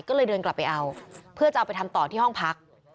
ก็เลยเดินกลับไปเอาเพื่อจะเอาไปทำต่อที่ห้องพัก